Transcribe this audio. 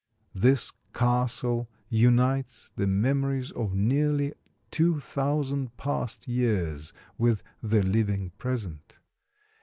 This castle unites the memories of nearly two thousand past years with the living present.